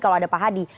kalau ada pak hadi